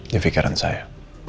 di fikiran saya